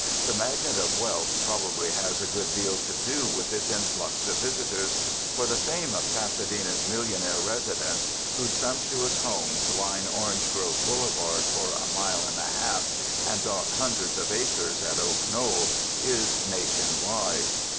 The magnet of wealth probably has a good deal to do with this influx of visitors; for the fame of Pasa dena's millionaire residents, whose sumptuous homes line Orange Grove Boulevard for a mile and a half and dot hundreds of acres at Oak Knoll, is nation wide.